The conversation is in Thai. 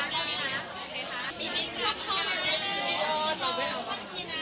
สักทีนะ